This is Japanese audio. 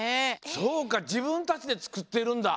そうか自分たちでつくってるんだ。